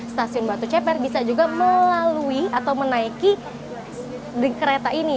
stasiun batu ceper bisa juga melalui atau menaiki kereta ini